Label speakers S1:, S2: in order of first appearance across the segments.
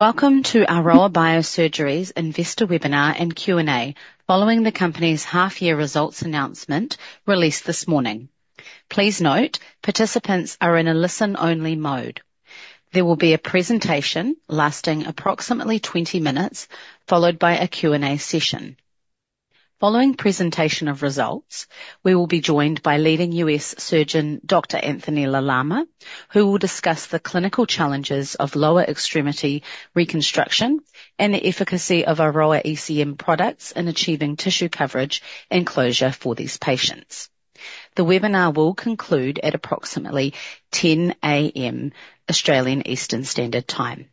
S1: Welcome to Aroa Biosurgery's investors webinar and Q&A following the company's half-year results announcement released this morning. Please note participants are in a listen-only mode. There will be a presentation lasting approximately 20 minutes, followed by a Q&A session. Following presentation of results, we will be joined by leading U.S. Surgeon Dr. Anthony LaLama, who will discuss the clinical challenges of lower extremity reconstruction and the efficacy of AROA ECM products in achieving tissue coverage and closure for these patients. The webinar will conclude at approximately 10:00 A.M. Australian Eastern Standard Time.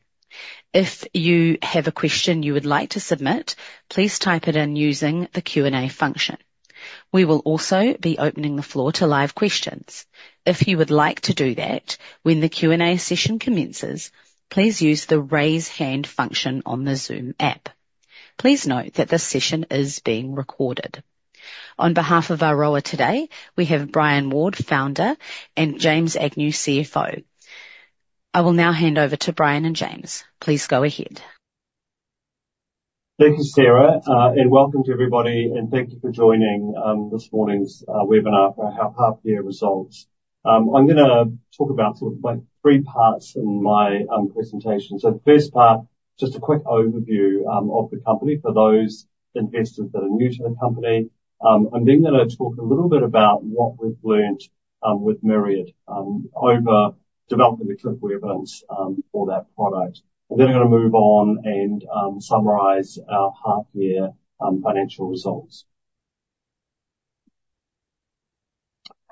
S1: If you have a question you would like to submit, please type it in using the Q&A function. We will also be opening the floor to live questions. If you would like to do that when the Q&A session commences, please use the raise hand function on the Zoom app. Please note that this session is being recorded. On behalf of Aroa today, we have Brian Ward, Founder, and James Agnew, CFO. I will now hand over to Brian and James. Please go ahead.
S2: Thank you, Sarah, and welcome to everybody, and thank you for joining this morning's webinar for our half-year results. I'm going to talk about sort of like three parts in my presentation. So, the first part, just a quick overview of the company for those investors that are new to the company. I'm then going to talk a little bit about what we've learned with Myriad over developing the clinical evidence for that product. And then I'm going to move on and summarize our half-year financial results.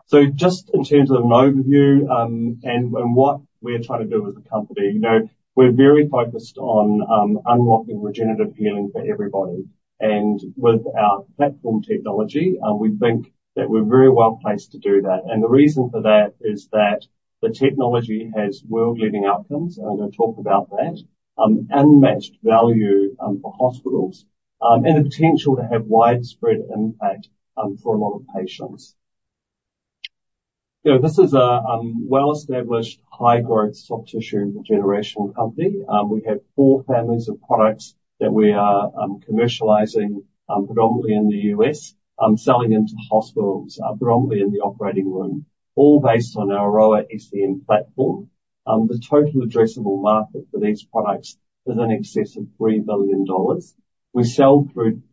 S2: So just in terms of an overview and what we're trying to do as a company, we're very focused on unlocking regenerative healing for everybody. And with our platform technology, we think that we're very well placed to do that. The reason for that is that the technology has world-leading outcomes, and I'm going to talk about that, unmatched value for hospitals, and the potential to have widespread impact for a lot of patients. This is a well-established, high-growth soft tissue regeneration company. We have four families of products that we are commercializing predominantly in the U.S., selling into hospitals, predominantly in the operating room, all based on our AROA ECM platform. The total addressable market for these products is in excess of $3 billion. We sell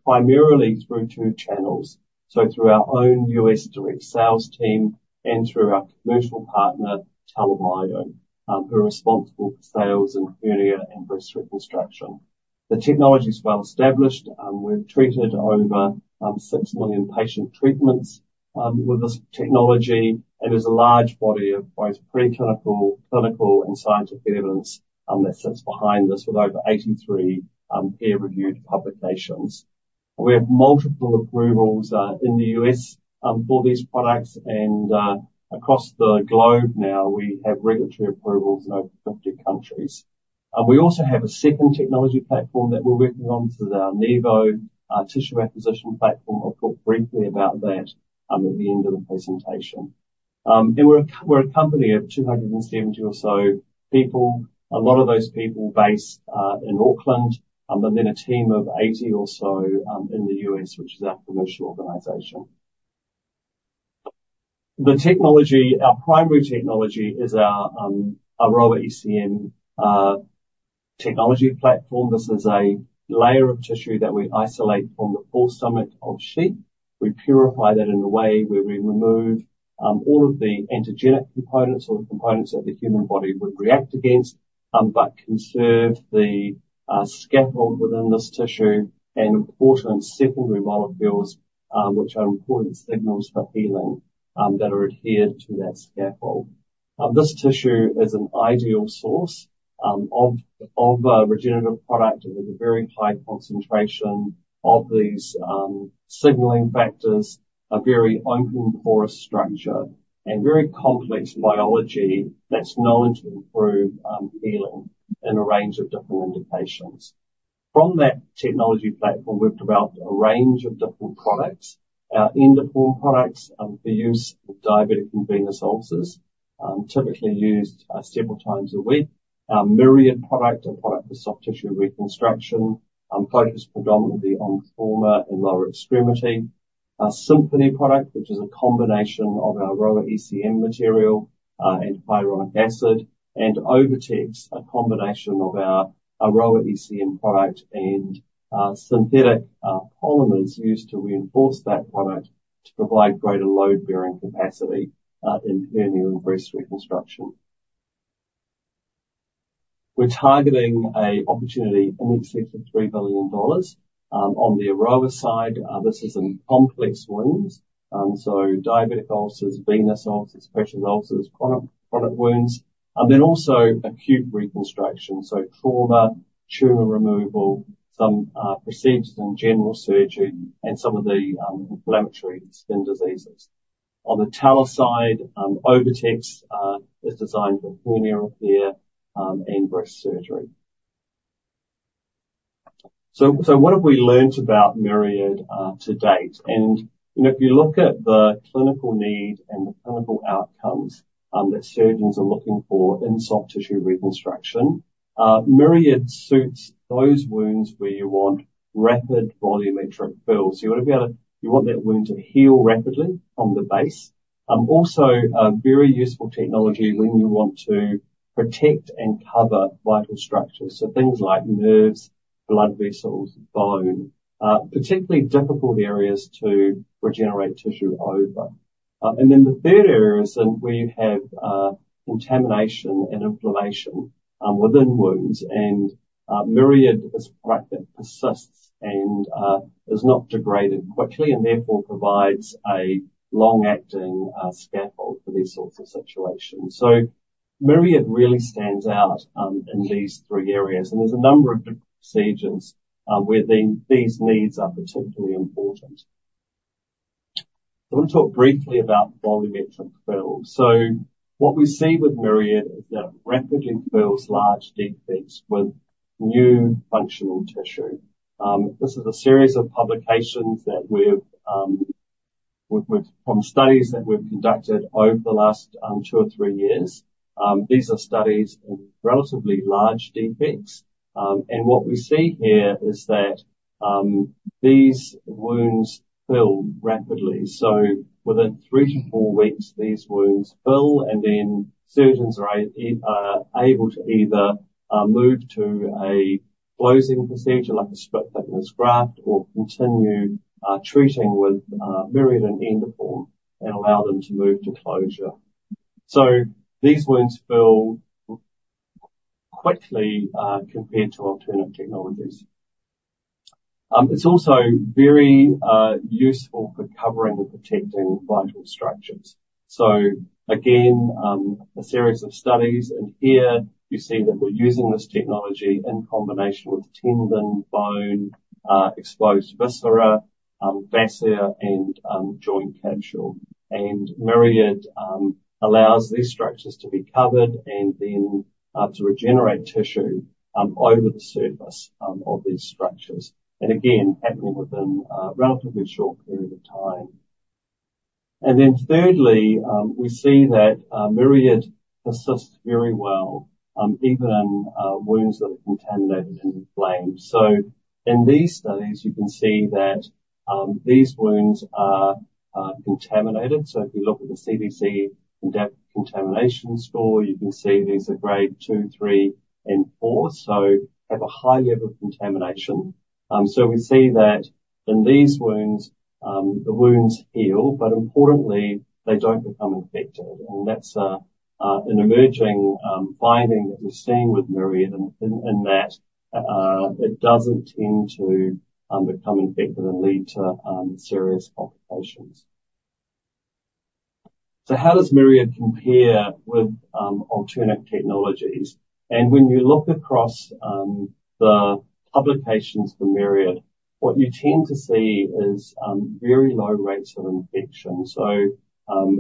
S2: primarily through two channels, so through our own U.S. direct sales team and through our commercial partner, TELA Bio, who are responsible for sales in hernia and breast reconstruction. The technology is well-established. We've treated over 6 million patient treatments with this technology, and there's a large body of both preclinical, clinical, and scientific evidence that sits behind this with over 83 peer-reviewed publications. We have multiple approvals in the U.S. for these products, and across the globe now, we have regulatory approvals in over 50 countries. We also have a second technology platform that we're working on, which is our Enivo Tissue Apposition platform. I'll talk briefly about that at the end of the presentation, and we're a company of 270 or so people. A lot of those people based in Auckland, but then a team of 80 or so in the U.S., which is our commercial organization. The technology, our primary technology, is our AROA ECM technology platform. This is a layer of tissue that we isolate from the forestomach of sheep. We purify that in a way where we remove all of the antigenic components or the components that the human body would react against, but conserve the scaffold within this tissue and important secondary molecules, which are important signals for healing that are adhered to that scaffold. This tissue is an ideal source of regenerative product. It is a very high concentration of these signaling factors, a very open porous structure, and very complex biology that's known to improve healing in a range of different indications. From that technology platform, we've developed a range of different products, our Endoform products for use in diabetic and venous ulcers, typically used several times a week, our Myriad product, a product for soft tissue reconstruction, focused predominantly on the upper and lower extremity, our Symphony product, which is a combination of our AROA ECM material and hyaluronic acid, and OviTex, a combination of our AROA ECM product and synthetic polymers used to reinforce that product to provide greater load-bearing capacity in hernia and breast reconstruction. We're targeting an opportunity in excess of $3 billion. On the Aroa side, this is in complex wounds, so diabetic ulcers, venous ulcers, pressure ulcers, chronic wounds, and then also acute reconstruction, so trauma, tumor removal, some procedures in general surgery, and some of the inflammatory skin diseases. On the TELA side, OviTex is designed for hernia repair and breast surgery. So what have we learned about Myriad to date? And if you look at the clinical need and the clinical outcomes that surgeons are looking for in soft tissue reconstruction, Myriad suits those wounds where you want rapid volumetric fills. You want to be able to, you want that wound to heal rapidly from the base. Also, a very useful technology when you want to protect and cover vital structures, so things like nerves, blood vessels, bone, particularly difficult areas to regenerate tissue over. And then the third area is where you have contamination and inflammation within wounds, and Myriad is a product that persists and is not degraded quickly and therefore provides a long-acting scaffold for these sorts of situations. So Myriad really stands out in these three areas, and there's a number of procedures where these needs are particularly important. I want to talk briefly about volumetric fills. What we see with Myriad is that it rapidly fills large defects with new functional tissue. This is a series of publications that we've from studies that we've conducted over the last two or three years. These are studies in relatively large defects, and what we see here is that these wounds fill rapidly. Within three to four weeks, these wounds fill, and then surgeons are able to either move to a closing procedure like a split-thickness graft or continue treating with Myriad and Endoform and allow them to move to closure. These wounds fill quickly compared to alternative technologies. It's also very useful for covering and protecting vital structures. Again, a series of studies, and here you see that we're using this technology in combination with tendon, bone, exposed viscera, fascia, and joint capsule. Myriad allows these structures to be covered and then to regenerate tissue over the surface of these structures. And again, happening within a relatively short period of time. And then thirdly, we see that Myriad persists very well even in wounds that are contaminated and inflamed. So in these studies, you can see that these wounds are contaminated. So if you look at the CDC contamination score, you can see these are grade two, three, and four, so have a high level of contamination. So we see that in these wounds, the wounds heal, but importantly, they don't become infected. And that's an emerging finding that we've seen with Myriad in that it doesn't tend to become infected and lead to serious complications. So how does Myriad compare with alternative technologies? And when you look across the publications for Myriad, what you tend to see is very low rates of infection. So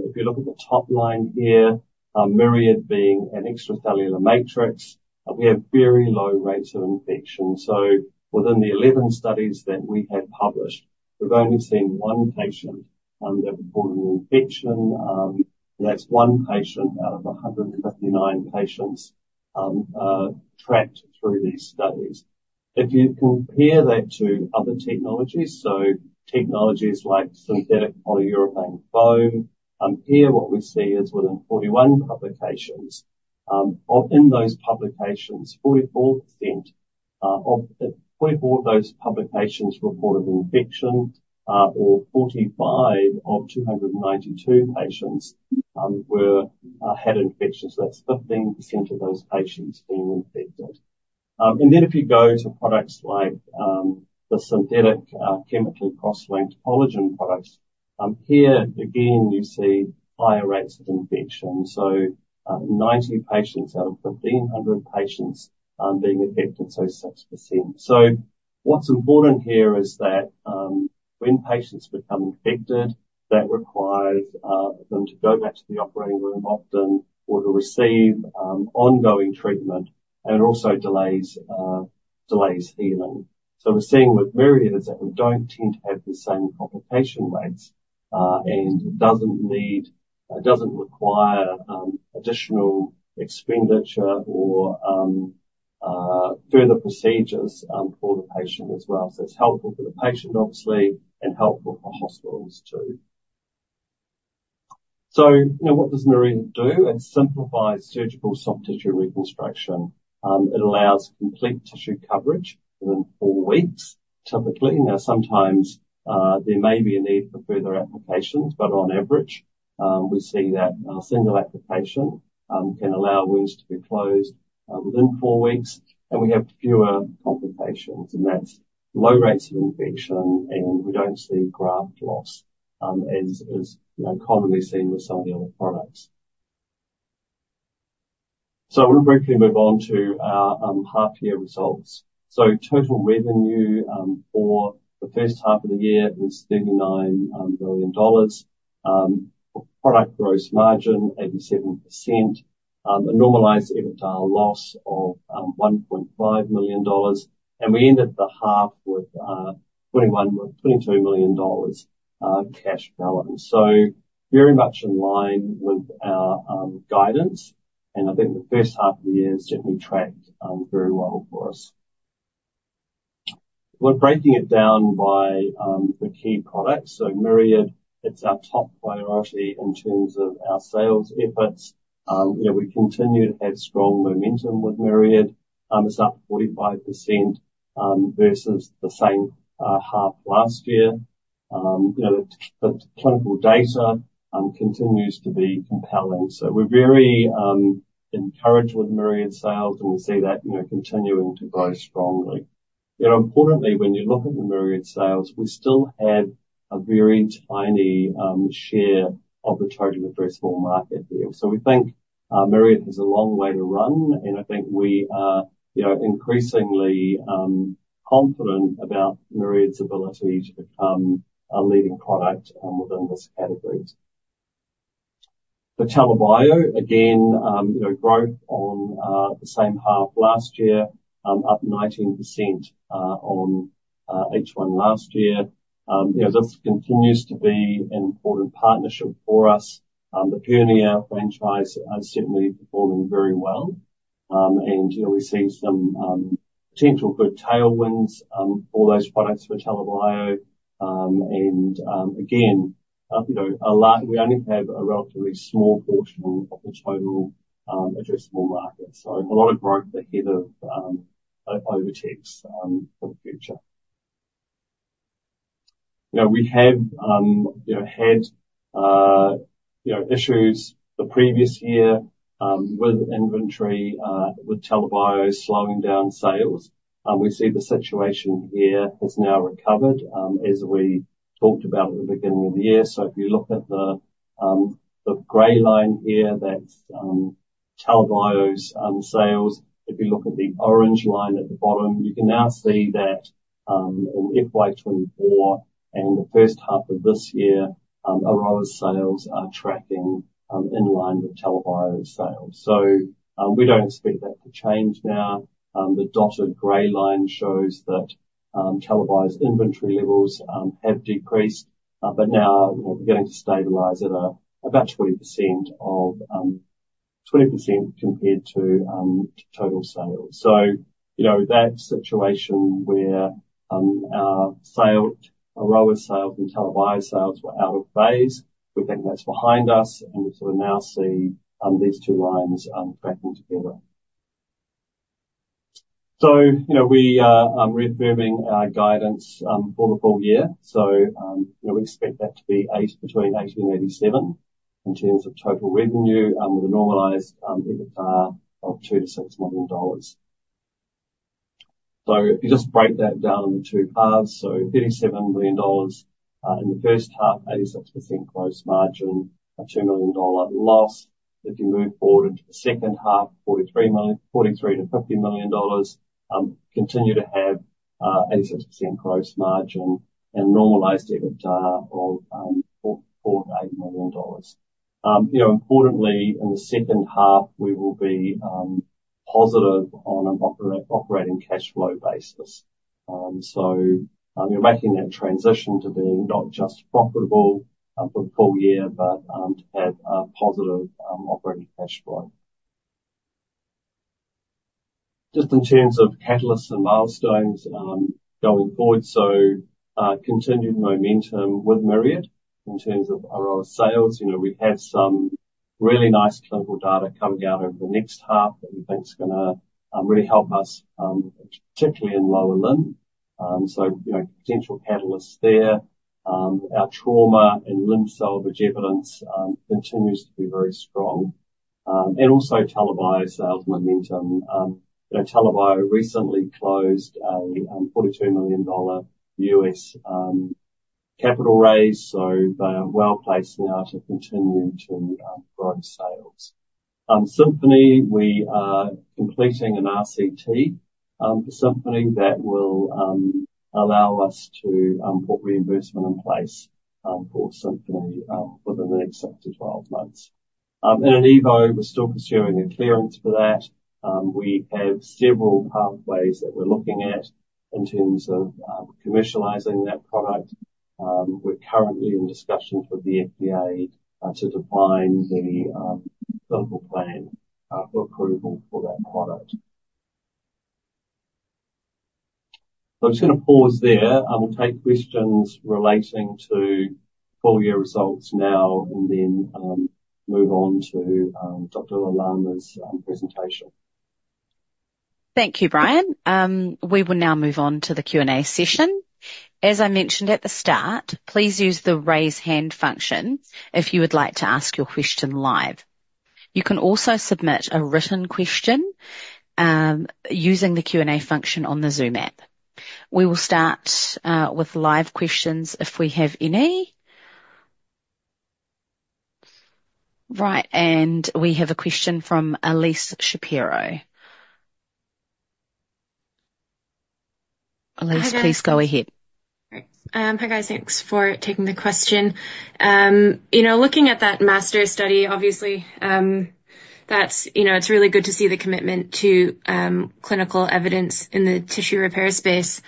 S2: if you look at the top line here, Myriad being an extracellular matrix, we have very low rates of infection. So within the 11 studies that we have published, we've only seen one patient that reported an infection, and that's one patient out of 159 patients tracked through these studies. If you compare that to other technologies, so technologies like synthetic polyurethane foam, here what we see is within 41 publications, in those publications, 44% of those publications reported infection, or 45 of 292 patients had infections. So that's 15% of those patients being infected. And then if you go to products like the synthetic chemically cross-linked collagen products, here again, you see higher rates of infection. So 90 patients out of 1,500 patients being affected, so 6%. So what's important here is that when patients become infected, that requires them to go back to the operating room often or to receive ongoing treatment, and it also delays healing. So we're seeing with Myriad is that we don't tend to have the same complication rates, and it doesn't require additional expenditure or further procedures for the patient as well. So it's helpful for the patient, obviously, and helpful for hospitals too. So what does Myriad do? It simplifies surgical soft tissue reconstruction. It allows complete tissue coverage within four weeks, typically. Now, sometimes there may be a need for further applications, but on average, we see that a single application can allow wounds to be closed within four weeks, and we have fewer complications. And that's low rates of infection, and we don't see graft loss as commonly seen with some of the other products. So I want to briefly move on to our half-year results. Total revenue for the first half of the year is $39 million. Product gross margin, 87%. A normalized EBITDA loss of $1.5 million. We ended the half with $22 million cash balance. Very much in line with our guidance, and I think the first half of the year has certainly tracked very well for us. We're breaking it down by the key products. Myriad, it's our top priority in terms of our sales efforts. We continue to have strong momentum with Myriad. It's up 45% versus the same half last year. The clinical data continues to be compelling. We're very encouraged with Myriad sales, and we see that continuing to grow strongly. Importantly, when you look at the Myriad sales, we still have a very tiny share of the total addressable market here. So we think Myriad has a long way to run, and I think we are increasingly confident about Myriad's ability to become a leading product within this category. For TELA Bio, again, growth on the same half last year, up 19% on H1 last year. This continues to be an important partnership for us. The hernia franchise is certainly performing very well, and we see some potential good tailwinds for those products for TELA Bio. And again, we only have a relatively small portion of the total addressable market, so a lot of growth ahead of OviTex for the future. We have had issues the previous year with inventory, with TELA Bio slowing down sales. We see the situation here has now recovered as we talked about at the beginning of the year. So if you look at the gray line here, that's TELA Bio's sales. If you look at the orange line at the bottom, you can now see that in FY 2024 and the first half of this year, Aroa's sales are tracking in line with TELA Bio's sales. So we don't expect that to change now. The dotted gray line shows that TELA Bio's inventory levels have decreased, but now we're getting to stabilize at about 20% compared to total sales. So that situation where Aroa's sales and TELA Bio's sales were out of phase, we think that's behind us, and we sort of now see these two lines tracking together. So we are reaffirming our guidance for the full year. So we expect that to be between 80 and 87 in terms of total revenue with a normalized EBITDA of $2 million-$6 million. So if you just break that down into two halves, so $37 million in the first half, 86% gross margin, a $2 million loss. If you move forward into the second half, $43 million-$50 million, continue to have 86% gross margin and normalized EBITDA of $4 million-$8 million. Importantly, in the second half, we will be positive on an operating cash flow basis. So we're making that transition to being not just profitable for the full year, but to have a positive operating cash flow. Just in terms of catalysts and milestones going forward, so continued momentum with Myriad in terms of Aroa's sales. We have some really nice clinical data coming out over the next half that we think is going to really help us, particularly in lower limb. So potential catalysts there. Our trauma and limb salvage evidence continues to be very strong. And also TELA Bio sales momentum. TELA Bio recently closed a $42 million US capital raise, so they are well placed now to continue to grow sales. Symphony, we are completing an RCT for Symphony that will allow us to put reimbursement in place for Symphony within the next up to 12 months. And at Enivo, we're still pursuing a clearance for that. We have several pathways that we're looking at in terms of commercializing that product. We're currently in discussions with the FDA to define the clinical plan for approval for that product. So I'm just going to pause there. We'll take questions relating to full year results now and then move on to Dr. LaLama's presentation.
S1: Thank you, Brian. We will now move on to the Q&A session. As I mentioned at the start, please use the raise hand function if you would like to ask your question live. You can also submit a written question using the Q&A function on the Zoom app. We will start with live questions if we have any. Right, and we have a question from Elyse Shapiro. Elyse, please go ahead. Hi, guys. Thanks for taking the question. Looking at that MASTR study, obviously, it's really good to see the commitment to clinical evidence in the tissue repair space.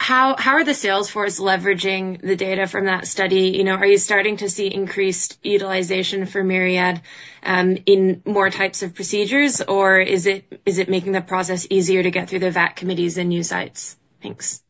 S1: How are the sales force leveraging the data from that study? Are you starting to see increased utilization for Myriad in more types of procedures, or is it making the process easier to get through the VAT committees and new sites? Thanks.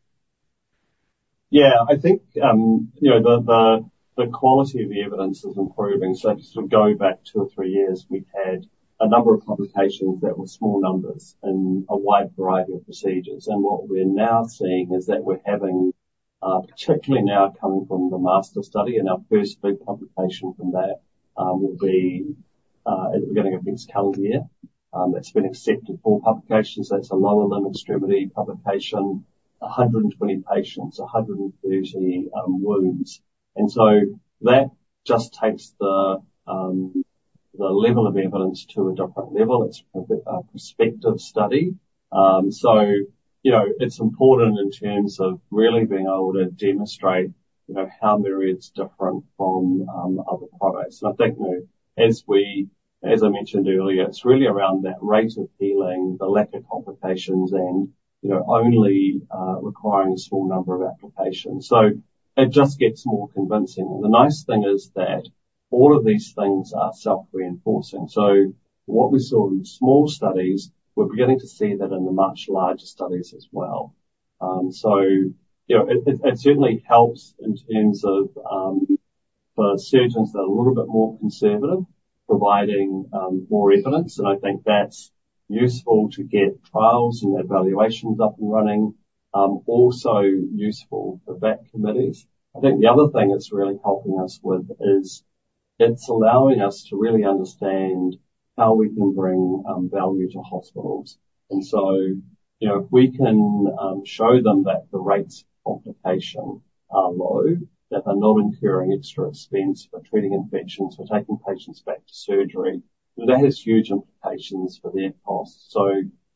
S2: Yeah, I think the quality of the evidence is improving. So if you sort of go back two or three years, we've had a number of publications that were small numbers in a wide variety of procedures. What we're now seeing is that we're having, particularly now coming from the MASTR study, and our first big publication from that will be at the beginning of next calendar year. It's been accepted for publication. That's a lower extremity publication, 120 patients, 130 wounds. So that just takes the level of evidence to a different level. It's a prospective study. So it's important in terms of really being able to demonstrate how Myriad's different from other products. And I think, as I mentioned earlier, it's really around that rate of healing, the lack of complications, and only requiring a small number of applications. So it just gets more convincing. And the nice thing is that all of these things are self-reinforcing. So what we saw in small studies, we're beginning to see that in the much larger studies as well. So it certainly helps in terms of the surgeons that are a little bit more conservative providing more evidence. And I think that's useful to get trials and evaluations up and running. Also useful for VAT committees. I think the other thing it's really helping us with is it's allowing us to really understand how we can bring value to hospitals. And so if we can show them that the rates of complication are low, that they're not incurring extra expense for treating infections, for taking patients back to surgery, that has huge implications for their costs. So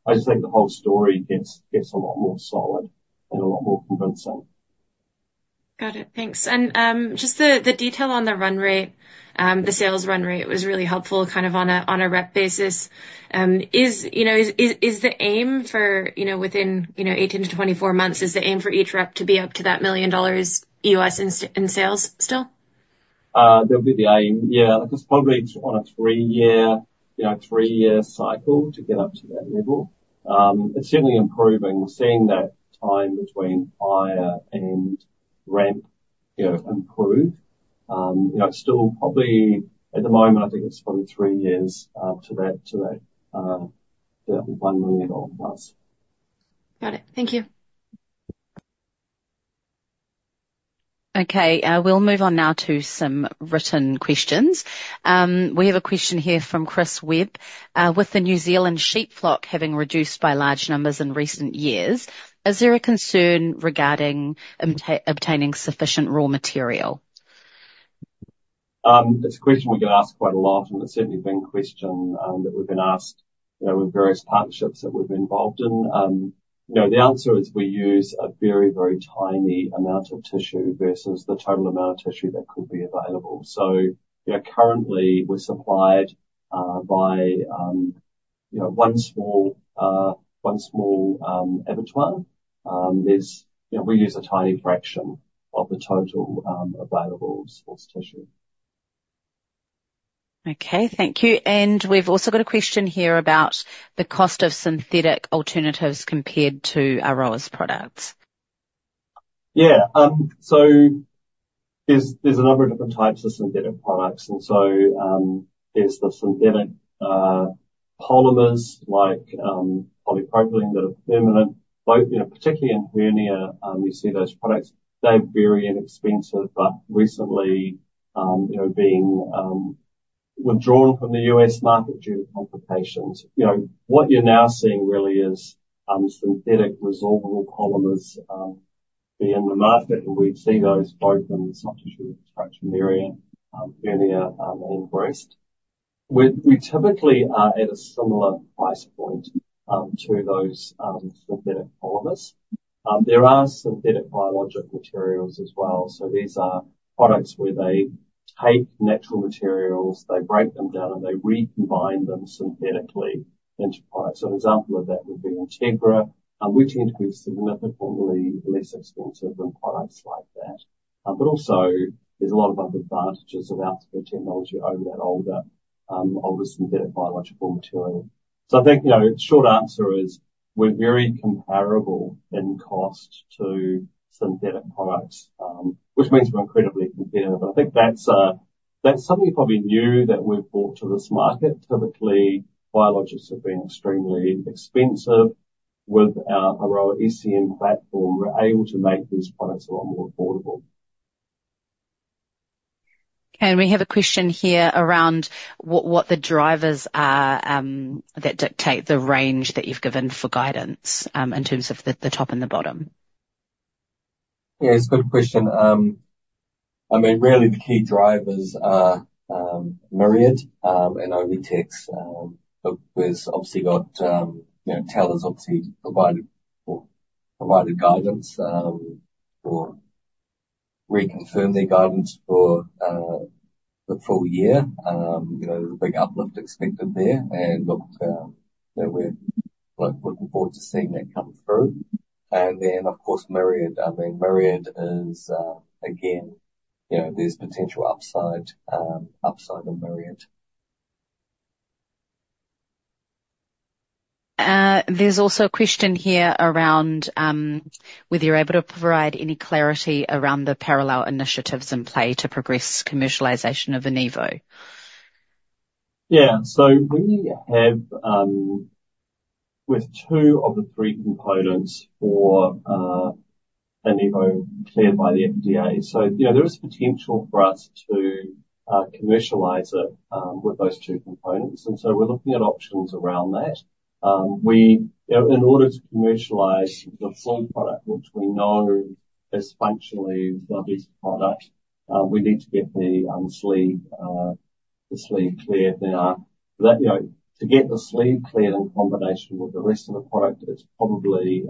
S2: I just think the whole story gets a lot more solid and a lot more convincing. Got it. Thanks. And just the detail on the run rate, the sales run rate was really helpful kind of on a rep basis. Is the aim for within 18 to 24 months, is the aim for each rep to be up to that $1 million in sales still? That would be the aim. Yeah, because probably on a three-year cycle to get up to that level. It's certainly improving. We're seeing that time between hire and ramp improve. It's still probably at the moment, I think it's probably three years to that $1 million+. Got it. Thank you.
S1: Okay, we'll move on now to some written questions. We have a question here from Chris Webb. With the New Zealand sheep flock having reduced by large numbers in recent years, is there a concern regarding obtaining sufficient raw material?
S2: It's a question we get asked quite a lot, and it's certainly been a question that we've been asked with various partnerships that we've been involved in. The answer is we use a very, very tiny amount of tissue versus the total amount of tissue that could be available. So currently, we're supplied by one small abattoir. We use a tiny fraction of the total available soft tissue.
S1: Okay, thank you. And we've also got a question here about the cost of synthetic alternatives compared to Aroa's products.
S2: Yeah, so there's a number of different types of synthetic products. And so there's the synthetic polymers like polypropylene that are permanent. Particularly in hernia, you see those products. They're very inexpensive, but recently being withdrawn from the U.S. market due to complications. What you're now seeing really is synthetic resorbable polymers being in the market, and we've seen those both in the soft tissue reconstruction area, hernia, and breast. We typically are at a similar price point to those synthetic polymers. There are synthetic biological materials as well. These are products where they take natural materials, they break them down, and they recombine them synthetically into products. An example of that would be Integra. We tend to be significantly less expensive than products like that. But also, there's a lot of other advantages of our technology over that older synthetic biological material. So I think the short answer is we're very comparable in cost to synthetic products, which means we're incredibly competitive. But I think that's something you probably knew that we've brought to this market. Typically, biologics have been extremely expensive. With our AROA ECM platform, we're able to make these products a lot more affordable.
S1: Okay, and we have a question here around what the drivers are that dictate the range that you've given for guidance in terms of the top and the bottom.
S2: Yeah, it's a good question. I mean, really, the key drivers are Myriad and OviTex. We've obviously got TELA's obviously provided guidance or reconfirmed their guidance for the full year. There's a big uplift expected there, and we're looking forward to seeing that come through. And then, of course, Myriad. I mean, Myriad is, again, there's potential upside in Myriad.
S1: There's also a question here around whether you're able to provide any clarity around the parallel initiatives in play to progress commercialization of Enivo.
S2: Yeah, so we have two of the three components for Enivo cleared by the FDA. So there is potential for us to commercialize it with those two components. And so we're looking at options around that. In order to commercialize the full product, which we know is functionally the best product, we need to get the sleeve cleared now. To get the sleeve cleared in combination with the rest of the product, it's probably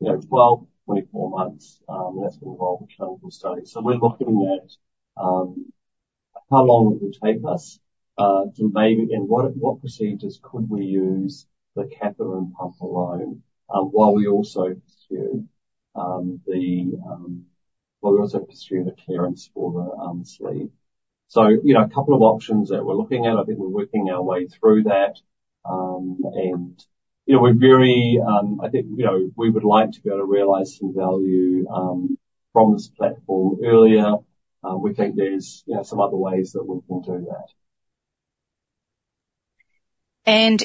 S2: 12 to 24 months, and that's going to involve a clinical study. We're looking at how long it will take us and what procedures could we use the catheter and pump alone while we also pursue the clearance for the sleeve. A couple of options that we're looking at. I think we're working our way through that. We're very. I think we would like to be able to realize some value from this platform earlier. We think there's some other ways that we can do that.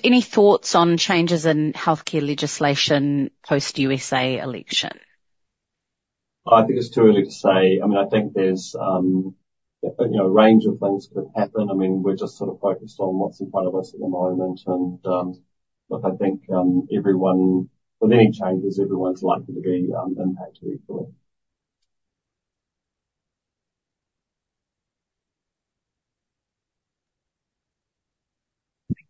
S1: Any thoughts on changes in healthcare legislation post-U.S. election?
S2: I think it's too early to say. I mean, I think there's a range of things could happen. I mean, we're just sort of focused on what's in front of us at the moment. And look, I think with any changes, everyone's likely to be impacted equally.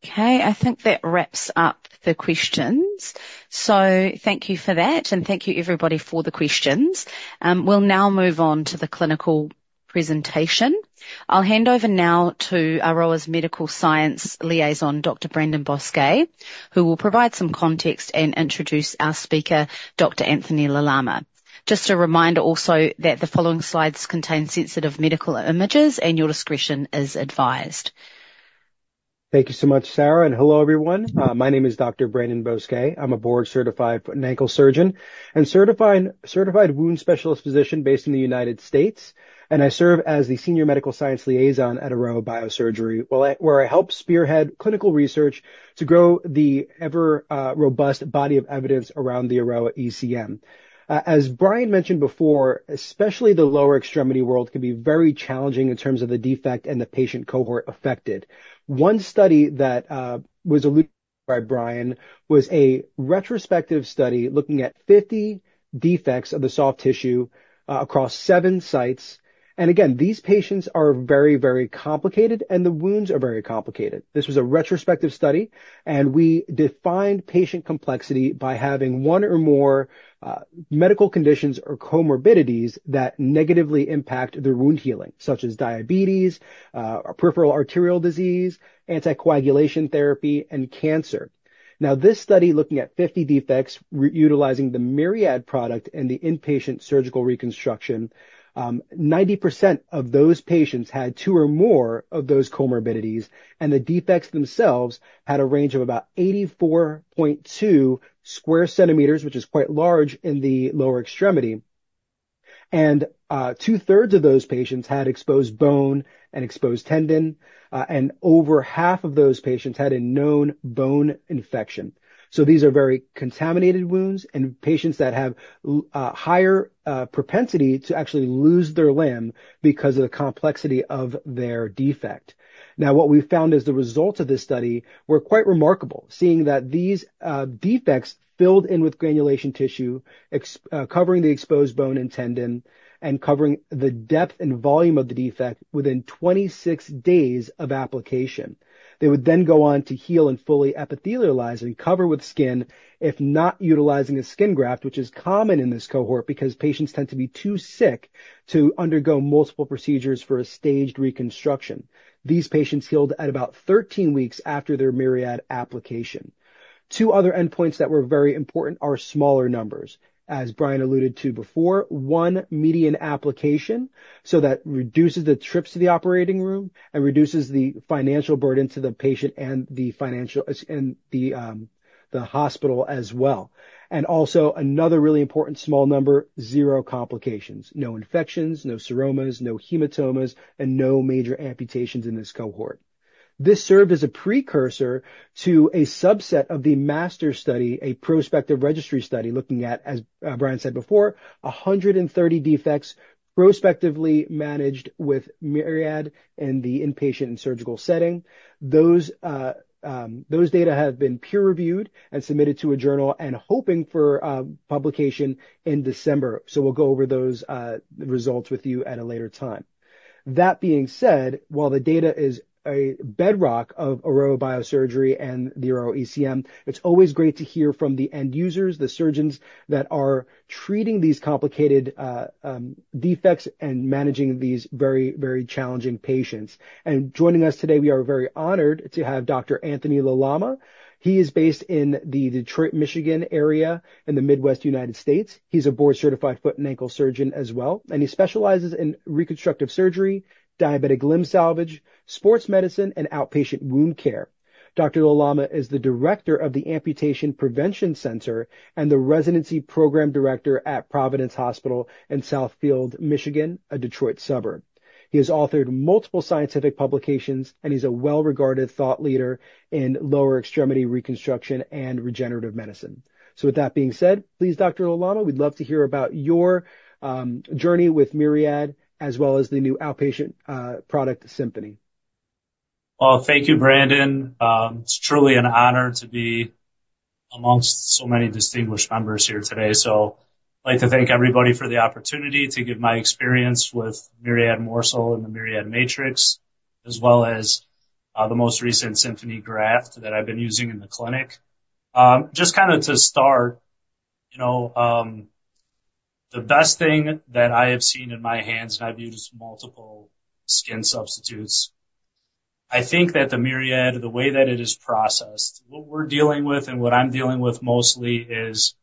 S1: Okay, I think that wraps up the questions. So thank you for that, and thank you, everybody, for the questions. We'll now move on to the clinical presentation. I'll hand over now to Aroa's medical science liaison, Dr. Brandon Bosque, who will provide some context and introduce our speaker, Dr. Anthony LaLama. Just a reminder also that the following slides contain sensitive medical images, and your discretion is advised.
S3: Thank you so much, Sarah. Hello, everyone. My name is Dr. Brandon Bosque. I'm a board-certified foot and ankle surgeon and certified wound specialist physician based in the United States. And I serve as the Senior Medical Science Liaison at Aroa Biosurgery, where I help spearhead clinical research to grow the ever-robust body of evidence around the AROA ECM. As Brian mentioned before, especially the lower extremity world can be very challenging in terms of the defect and the patient cohort affected. One study that was alluded to by Brian was a retrospective study looking at 50 defects of the soft tissue across seven sites. And again, these patients are very, very complicated, and the wounds are very complicated. This was a retrospective study, and we defined patient complexity by having one or more medical conditions or comorbidities that negatively impact their wound healing, such as diabetes, peripheral arterial disease, anticoagulation therapy, and cancer. Now, this study looking at 50 defects utilizing the Myriad product and the inpatient surgical reconstruction, 90% of those patients had two or more of those comorbidities, and the defects themselves had a range of about 84.2 sq cm, which is quite large in the lower extremity, and two-thirds of those patients had exposed bone and exposed tendon, and over half of those patients had a known bone infection, so these are very contaminated wounds and patients that have higher propensity to actually lose their limb because of the complexity of their defect. Now, what we found as the result of this study were quite remarkable, seeing that these defects filled in with granulation tissue, covering the exposed bone and tendon, and covering the depth and volume of the defect within 26 days of application. They would then go on to heal and fully epithelialize and cover with skin if not utilizing a skin graft, which is common in this cohort because patients tend to be too sick to undergo multiple procedures for a staged reconstruction. These patients healed at about 13 weeks after their Myriad application. Two other endpoints that were very important are smaller numbers. As Brian alluded to before, one median application, so that reduces the trips to the operating room and reduces the financial burden to the patient and the hospital as well. And also, another really important small number, zero complications. No infections, no seromas, no hematomas, and no major amputations in this cohort. This served as a precursor to a subset of the MASTR study, a prospective registry study looking at, as Brian said before, 130 defects prospectively managed with Myriad in the inpatient and surgical setting. Those data have been peer-reviewed and submitted to a journal, and hoping for publication in December. So we'll go over those results with you at a later time. That being said, while the data is a bedrock of Aroa Biosurgery and the AROA ECM, it's always great to hear from the end users, the surgeons that are treating these complicated defects and managing these very, very challenging patients, and joining us today, we are very honored to have Dr. Anthony LaLama. He is based in the Detroit, Michigan area in the Midwest United States. He's a board-certified foot and ankle surgeon as well, and he specializes in reconstructive surgery, diabetic limb salvage, sports medicine, and outpatient wound care. Dr. LaLama is the director of the Amputation Prevention Center and the residency program director at Providence Hospital in Southfield, Michigan, a Detroit suburb. He has authored multiple scientific publications, and he's a well-regarded thought leader in lower extremity reconstruction and regenerative medicine. With that being said, please, Dr. LaLama, we'd love to hear about your journey with Myriad as well as the new outpatient product, Symphony.
S4: Thank you, Brandon. It's truly an honor to be amongst so many distinguished members here today. I'd like to thank everybody for the opportunity to give my experience with Myriad Morcells and the Myriad Matrix, as well as the most recent Symphony graft that I've been using in the clinic. Just kind of to start, the best thing that I have seen in my hands, and I've used multiple skin substitutes. I think that the Myriad, the way that it is processed, what we're dealing with and what I'm dealing with mostly is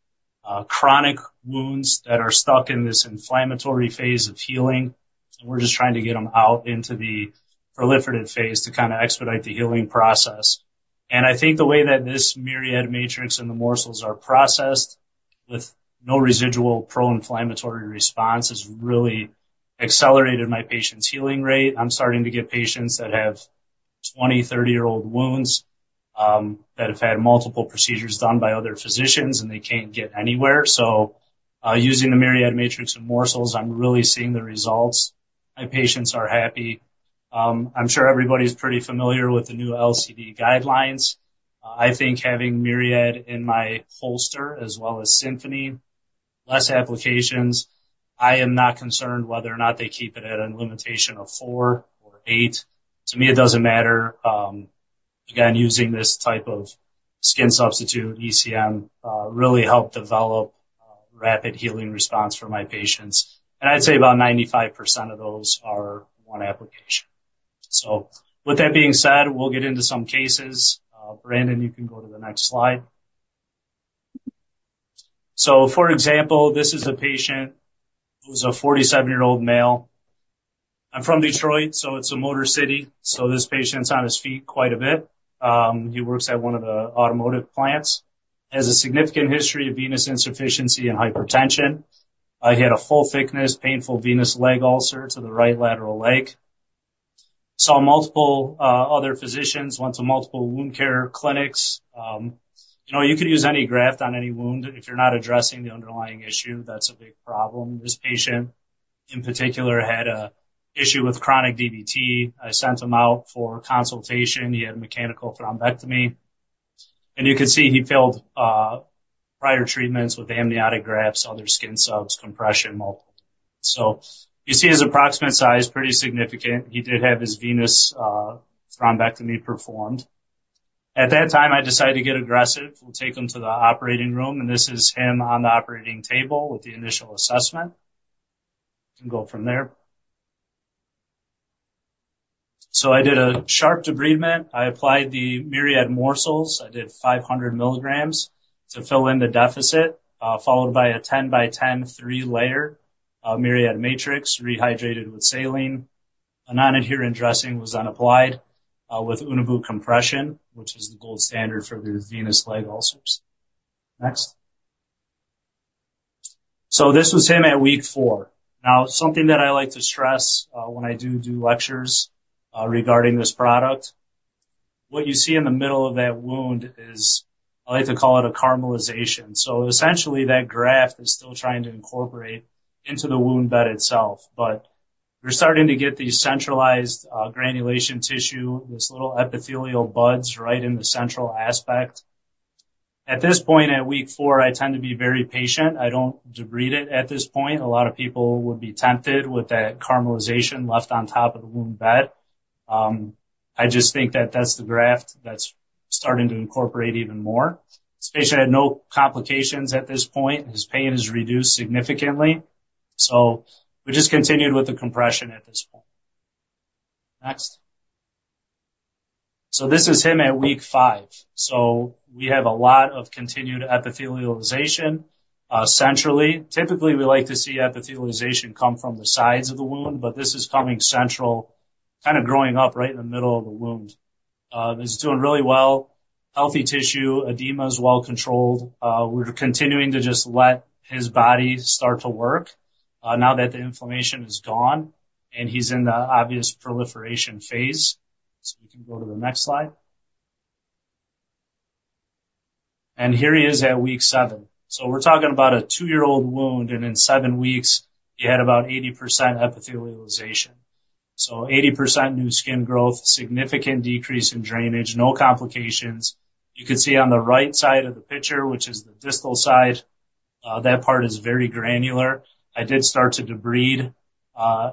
S4: chronic wounds that are stuck in this inflammatory phase of healing. We're just trying to get them out into the proliferative phase to kind of expedite the healing process. I think the way that this Myriad Matrix and the Morcells are processed with no residual pro-inflammatory response has really accelerated my patients' healing rate. I'm starting to get patients that have 20 and 30year-old wounds that have had multiple procedures done by other physicians, and they can't get anywhere. So using the Myriad Matrix and Morcells, I'm really seeing the results. My patients are happy. I'm sure everybody's pretty familiar with the new LCD guidelines. I think having Myriad in my holster as well as Symphony, less applications, I am not concerned whether or not they keep it at a limitation of four or eight. To me, it doesn't matter. Again, using this type of skin substitute ECM really helped develop rapid healing response for my patients. And I'd say about 95% of those are one application. So with that being said, we'll get into some cases. Brandon, you can go to the next slide. So for example, this is a patient who's a 47-year-old male. I'm from Detroit, so it's a motor city. So this patient's on his feet quite a bit. He works at one of the automotive plants. He has a significant history of venous insufficiency and hypertension. He had a full-thickness painful venous leg ulcer to the right lateral leg. Saw multiple other physicians, went to multiple wound care clinics. You could use any graft on any wound if you're not addressing the underlying issue. That's a big problem. This patient, in particular, had an issue with chronic DVT. I sent him out for consultation. He had a mechanical thrombectomy. And you can see he failed prior treatments with amniotic grafts, other skin subs, compression, multiple, so you see his approximate size, pretty significant. He did have his venous thrombectomy performed. At that time, I decided to get aggressive. We'll take him to the operating room, and this is him on the operating table with the initial assessment. Can go from there, so I did a sharp debridement. I applied the Myriad Morcells. I did 500 mg to fill in the deficit, followed by a 10 by 10, three-layer Myriad Matrix, rehydrated with saline. A non-adherent dressing was then applied with Unna boot compression, which is the gold standard for the venous leg ulcers. Next, so this was him at week four. Now, something that I like to stress when I do lectures regarding this product, what you see in the middle of that wound is I like to call it a caramelization. So essentially, that graft is still trying to incorporate into the wound bed itself. But we're starting to get the centralized granulation tissue, this little epithelial buds right in the central aspect. At this point, at week four, I tend to be very patient. I don't debride it at this point. A lot of people would be tempted with that caramelization left on top of the wound bed. I just think that that's the graft that's starting to incorporate even more. This patient had no complications at this point. His pain is reduced significantly. So we just continued with the compression at this point. Next. So this is him at week five. So we have a lot of continued epithelialization centrally. Typically, we like to see epithelialization come from the sides of the wound, but this is coming central, kind of growing up right in the middle of the wound. He's doing really well. Healthy tissue. Edema is well controlled. We're continuing to just let his body start to work now that the inflammation is gone and he's in the obvious proliferation phase. So we can go to the next slide. And here he is at week seven. So we're talking about a two-year-old wound, and in seven weeks, he had about 80% epithelialization. So 80% new skin growth, significant decrease in drainage, no complications. You can see on the right side of the picture, which is the distal side, that part is very granular. I did start to debride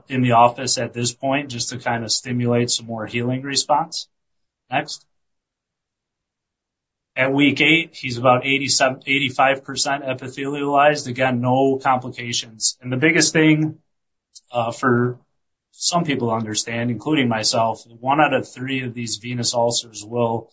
S4: in the office at this point just to kind of stimulate some more healing response. Next. At week eight, he's about 85% epithelialized. Again, no complications. And the biggest thing for some people to understand, including myself, one out of three of these venous ulcers will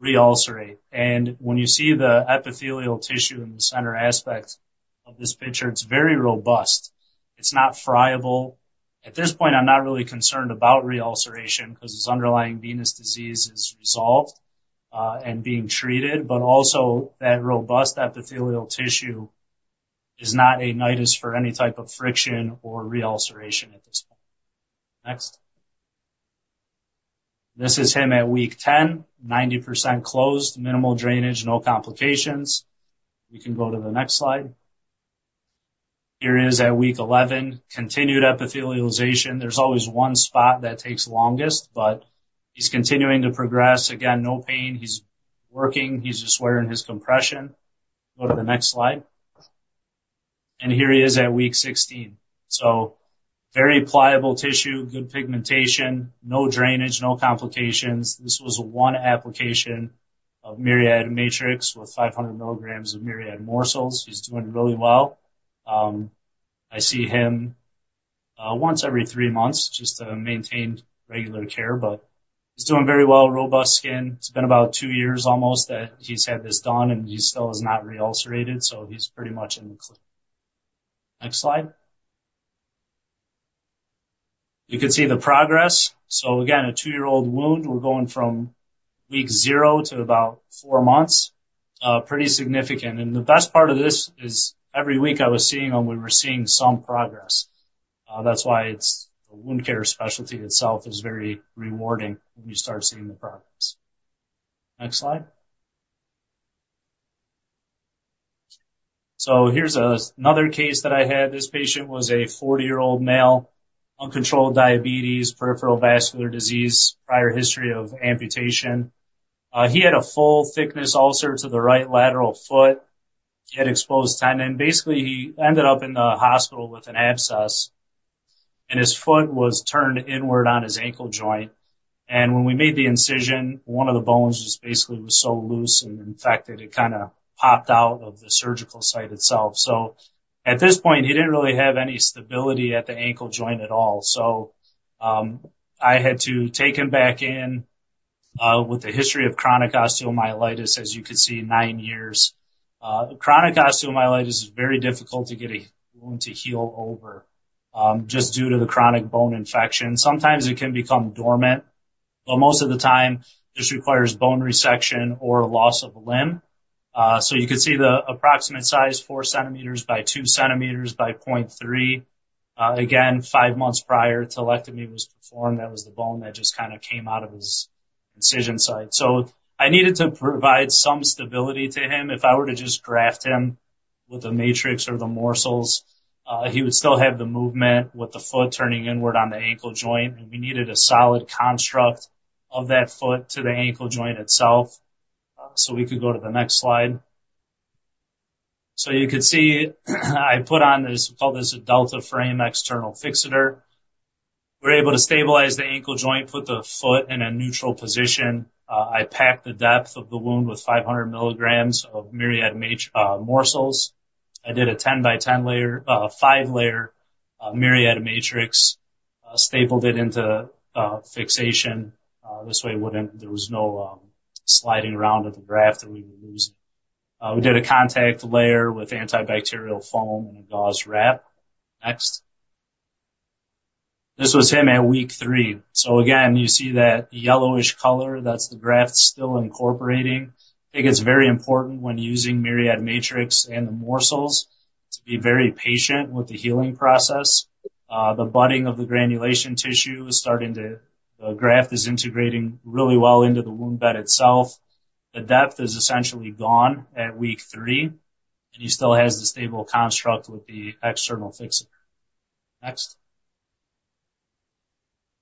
S4: reulcerate. And when you see the epithelial tissue in the center aspect of this picture, it's very robust. It's not friable. At this point, I'm not really concerned about reulceration because his underlying venous disease is resolved and being treated. But also, that robust epithelial tissue is not a nidus for any type of friction or reulceration at this point. Next. This is him at week 10, 90% closed, minimal drainage, no complications. We can go to the next slide. Here he is at week 11, continued epithelialization. There's always one spot that takes longest, but he's continuing to progress. Again, no pain. He's working. He's just wearing his compression. Go to the next slide, and here he is at week 16. So very pliable tissue, good pigmentation, no drainage, no complications. This was one application of Myriad Matrix with 500 mg of Myriad Morcells. He's doing really well. I see him once every three months just to maintain regular care, but he's doing very well, robust skin. It's been about two years almost that he's had this done, and he still has not reulcerated, so he's pretty much in the clear. Next slide. You can see the progress. So again, a two-year-old wound. We're going from week zero to about four months. Pretty significant, and the best part of this is every week I was seeing him, we were seeing some progress. That's why the wound care specialty itself is very rewarding when you start seeing the progress. Next slide. So here's another case that I had. This patient was a 40-year-old male, uncontrolled diabetes, peripheral vascular disease, prior history of amputation. He had a full-thickness ulcer to the right lateral foot. He had exposed tendon. Basically, he ended up in the hospital with an abscess, and his foot was turned inward on his ankle joint. And when we made the incision, one of the bones just basically was so loose and infected, it kind of popped out of the surgical site itself. So at this point, he didn't really have any stability at the ankle joint at all. So I had to take him back in with a history of chronic osteomyelitis, as you could see, nine years. Chronic osteomyelitis is very difficult to get a wound to heal over just due to the chronic bone infection. Sometimes it can become dormant, but most of the time, this requires bone resection or loss of limb. So you can see the approximate size, 4 cm by 2 cm by 0.3 cm. Again, five months prior, talectomy was performed. That was the bone that just kind of came out of his incision site. So I needed to provide some stability to him. If I were to just graft him with a Matrix or the Morcells, he would still have the movement with the foot turning inward on the ankle joint. And we needed a solid construct of that foot to the ankle joint itself. So we could go to the next slide. So you could see I put on this, we call this a Delta frame external fixator. We're able to stabilize the ankle joint, put the foot in a neutral position. I packed the depth of the wound with 500 mg of Myriad Morcells. I did a 10 by 10 layer, five-layer Myriad Matrix, stapled it into fixation. This way, there was no sliding around of the graft that we were losing. We did a contact layer with antibacterial foam and a gauze wrap. Next. This was him at week three. So again, you see that yellowish color, that's the graft still incorporating. I think it's very important when using Myriad Matrix and the Morcells to be very patient with the healing process. The budding of the granulation tissue is starting to. The graft is integrating really well into the wound bed itself. The depth is essentially gone at week three, and he still has the stable construct with the external fixator. Next.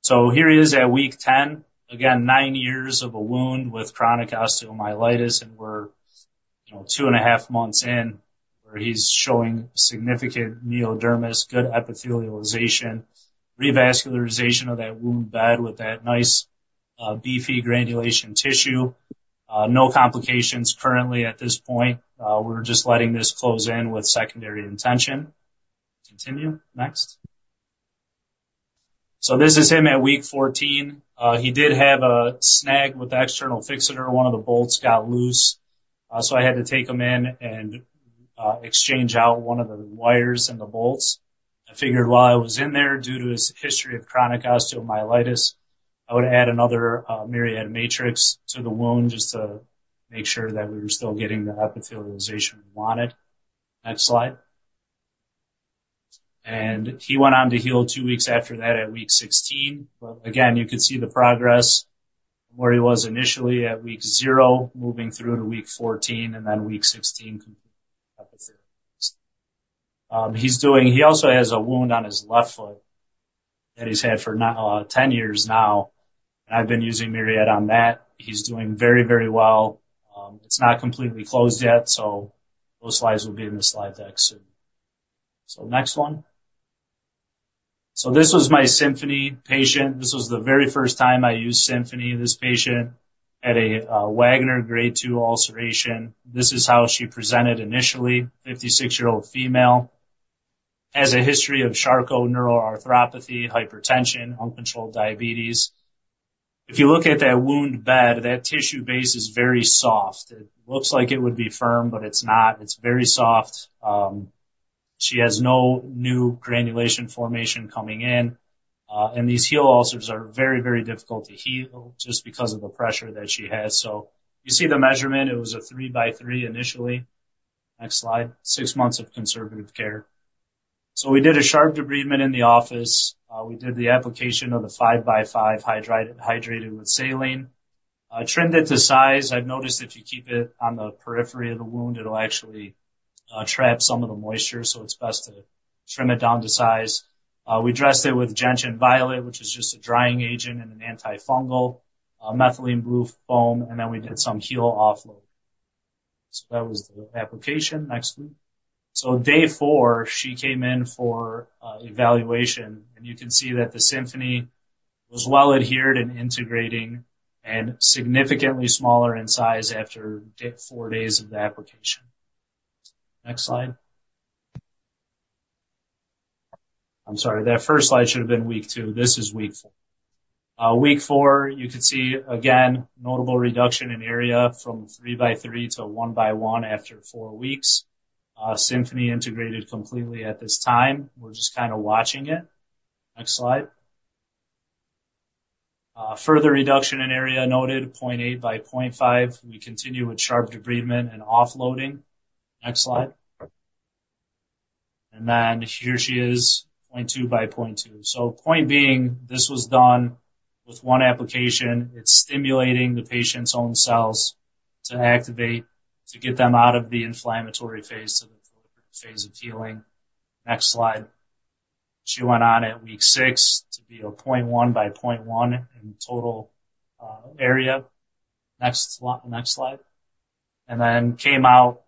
S4: So here he is at week 10. Again, nine years of a wound with chronic osteomyelitis, and we're two and a half months in where he's showing significant neodermis, good epithelialization, revascularization of that wound bed with that nice beefy granulation tissue. No complications currently at this point. We're just letting this close in with secondary intention. Continue. Next. So this is him at week 14. He did have a snag with the external fixator. One of the bolts got loose. So I had to take him in and exchange out one of the wires and the bolts. I figured while I was in there, due to his history of chronic osteomyelitis, I would add another Myriad Matrix to the wound just to make sure that we were still getting the epithelialization we wanted. Next slide. And he went on to heal two weeks after that at week 16. Again, you could see the progress from where he was initially at week zero, moving through to week 14, and then week 16, complete epithelialization. He also has a wound on his left foot that he's had for 10 years now. And I've been using Myriad on that. He's doing very, very well. It's not completely closed yet, so those slides will be in the slide deck soon. Next one. This was my Symphony patient. This was the very first time I used Symphony. This patient had a Wagner grade 2 ulceration. This is how she presented initially, 56-year-old female. She has a history of Charcot neuroarthropathy, hypertension, uncontrolled diabetes. If you look at that wound bed, that tissue base is very soft. It looks like it would be firm, but it's not. It's very soft. She has no new granulation formation coming in. These heel ulcers are very, very difficult to heal just because of the pressure that she has. You see the measurement. It was a three by three initially. Next slide. Six months of conservative care. We did a sharp debridement in the office. We did the application of the five by five, hydrated with saline. Trimmed it to size. I've noticed if you keep it on the periphery of the wound, it'll actually trap some of the moisture, so it's best to trim it down to size. We dressed it with gentian violet, which is just a drying agent and an antifungal, methylene blue foam, and then we did some heel offload. That was the application. Next week. Day four, she came in for evaluation. You can see that the Symphony was well adhered and integrating and significantly smaller in size after four days of the application. Next slide. I'm sorry. That first slide should have been week two. This is week four. Week four, you could see, again, notable reduction in area from 3 by 3 to 1 by 1 after four weeks. Symphony integrated completely at this time. We're just kind of watching it. Next slide. Further reduction in area noted, 0.8 by 0.5. We continue with sharp debridement and offloading. Next slide. And then here she is, 0.2 by 0.2. So point being, this was done with one application. It's stimulating the patient's own cells to activate, to get them out of the inflammatory phase to the phase of healing. Next slide. She went on at week six to be a 0.1 by 0.1 in total area. Next slide. And then came out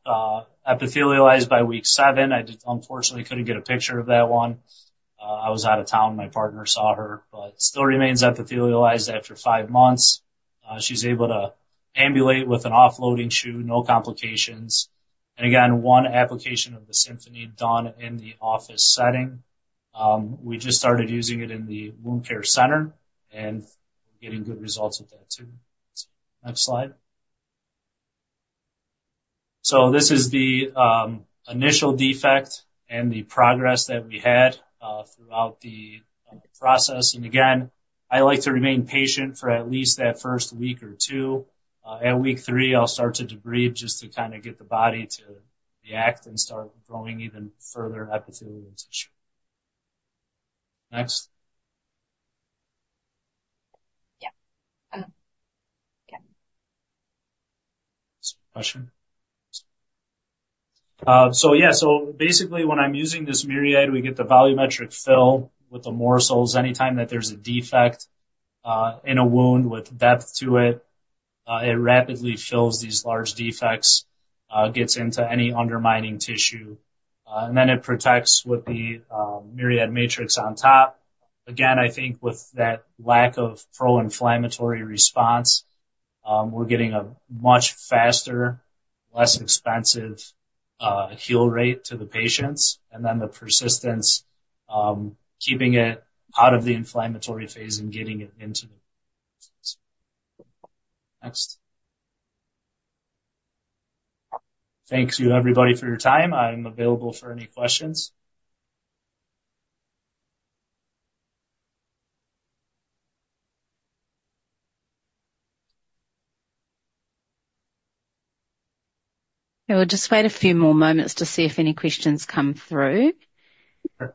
S4: epithelialized by week seven. I just unfortunately couldn't get a picture of that one. I was out of town. My partner saw her, but still remains epithelialized after five months. She's able to ambulate with an offloading shoe, no complications. And again, one application of the Symphony done in the office setting. We just started using it in the wound care center, and we're getting good results with that too. Next slide. So this is the initial defect and the progress that we had throughout the process. And again, I like to remain patient for at least that first week or two. At week three, I'll start to debride just to kind of get the body to react and start growing even further epithelial tissue. Next. Question? So yeah, so basically, when I'm using this Myriad, we get the volumetric fill with the Morcells. Anytime that there's a defect in a wound with depth to it, it rapidly fills these large defects, gets into any undermining tissue, and then it protects with the Myriad Matrix on top. Again, I think with that lack of pro-inflammatory response, we're getting a much faster, less expensive heal rate to the patients, and then the persistence, keeping it out of the inflammatory phase and getting it into the wound. Next. Thank you, everybody, for your time. I'm available for any questions.
S1: It will just wait a few more moments to see if any questions come through. We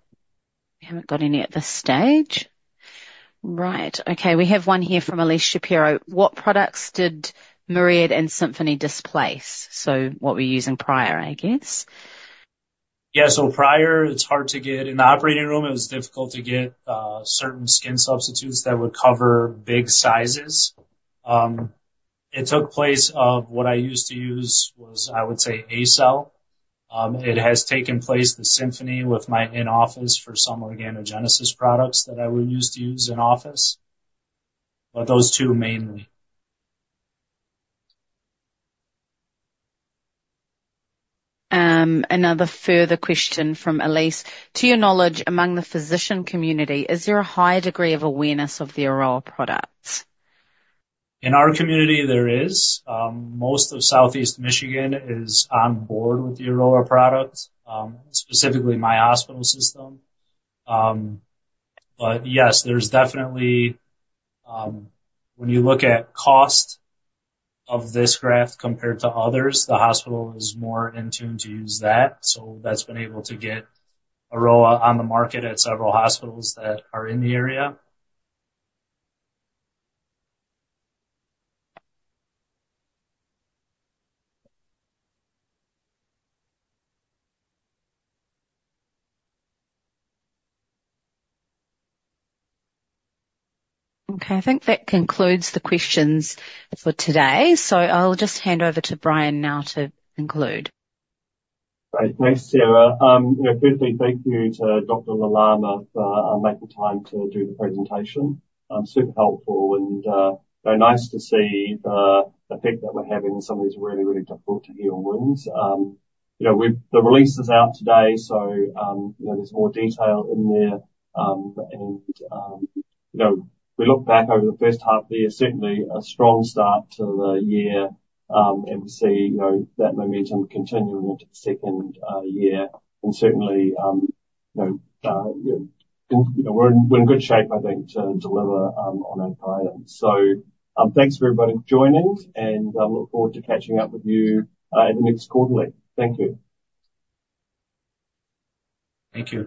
S1: haven't got any at this stage. Right. Okay. We have one here from Elyse Shapiro. What products did Myriad and Symphony displace? So what we're using prior, I guess.
S4: Yeah. So prior, it's hard to get in the operating room. It was difficult to get certain skin substitutes that would cover big sizes. It took place of what I used to use was, I would say, ACell. It has taken place the Symphony with my in-office for some Organogenesis products that I would use to use in office. But those two mainly.
S1: Another further question from Elyse. To your knowledge, among the physician community, is there a high degree of awareness of the Aroa products?
S4: In our community, there is. Most of Southeast Michigan is on board with the Aroa products, specifically my hospital system. But yes, there's definitely, when you look at cost of this graft compared to others, the hospital is more in tune to use that. So that's been able to get Aroa on the market at several hospitals that are in the area.
S1: Okay. I think that concludes the questions for today. So I'll just hand over to Brian now to conclude.
S2: All right. Thanks, Sarah. Quickly, thank you to Dr. LaLama for making time to do the presentation. Super helpful and nice to see the effect that we're having in some of these really, really difficult to heal wounds. The release is out today, so there's more detail in there. And we look back over the first half of the year, certainly a strong start to the year. And we see that momentum continuing into the second year. And certainly, we're in good shape, I think, to deliver on our guidance. So thanks for everybody joining, and I look forward to catching up with you at the next quarterly. Thank you.
S4: Thank you.